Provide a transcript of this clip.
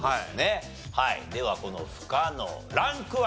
ではこの不可能ランクは？